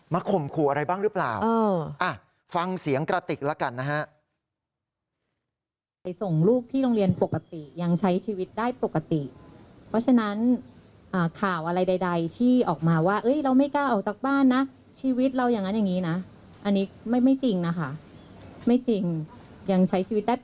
ข่มขู่อะไรบ้างหรือเปล่าฟังเสียงกระติกแล้วกันนะฮะ